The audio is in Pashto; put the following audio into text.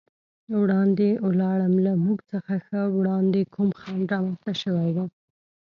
وړاندې ولاړم، له موږ څخه ښه وړاندې کوم خنډ رامنځته شوی و.